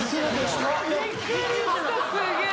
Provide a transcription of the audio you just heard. すげえ。